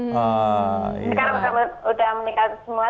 sekarang udah menikah semua